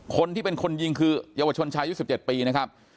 คนที่เป็นคนยิงคือเยาวชนชายุด๑๗ปีนะครับ